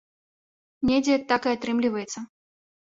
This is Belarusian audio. Недзе так і атрымліваецца.